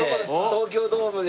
東京ドームで。